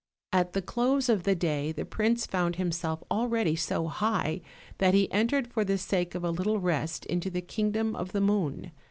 At the close of the day the prince found himself al ready so high that he entered for the sake of a little rest into the kingdom of the moon.